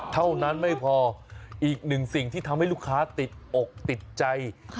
เท่านั้นไม่พออีกหนึ่งสิ่งที่ทำให้ลูกค้าติดอกติดใจ